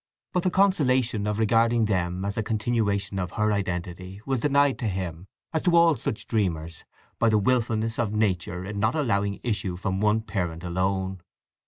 But the consolation of regarding them as a continuation of her identity was denied to him, as to all such dreamers, by the wilfulness of Nature in not allowing issue from one parent alone.